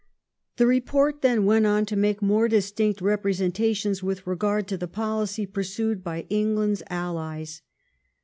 The report then went on to make more distinct represen tations with regard to the policy pursued by England's aUies.